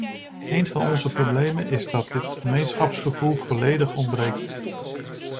Een van onze problemen is dat dit gemeenschapsgevoel volledig ontbreekt.